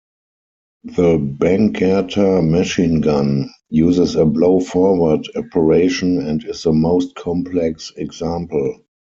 The Bangerter machine gun uses a blow-forward operation and is the most complex example.